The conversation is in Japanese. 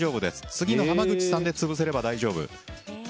次の濱口さんで潰せれば大丈夫。